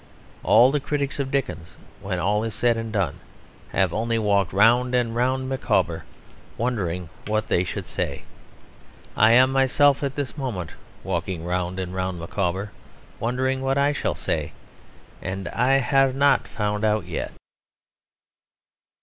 All the critics of Dickens, when all is said and done, have only walked round and round Micawber wondering what they should say. I am myself at this moment walking round and round Micawber wondering what I shall say. And I have not found out yet.